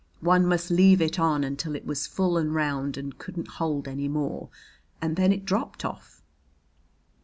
One must leave it on until it was full and round and couldn't hold any more, and then it dropped off.